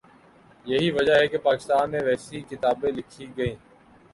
یہی وجہ ہے کہ پاکستان میں ویسی کتابیں لکھی گئیں۔